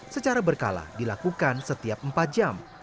secara berkala dilakukan setiap empat jam